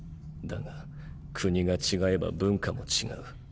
だが国が違えば文化も違う。